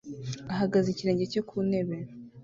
ahagaze ikirenge cye kunteb